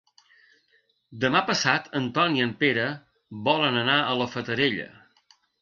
Demà passat en Ton i en Pere volen anar a la Fatarella.